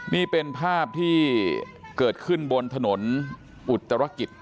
นี่เป็นภาพที่เกิดขึ้นบนถนนอุตรกิจ